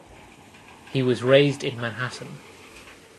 He was raised in Manhattan.